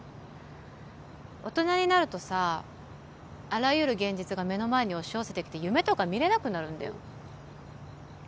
大人になるとさあらゆる現実が目の前に押し寄せてきて夢とか見れなくなるんだよ